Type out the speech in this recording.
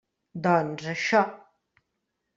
Doncs, això.